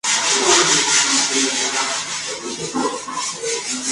Ritz publicó su primer disco de ukelele, "How About Uke?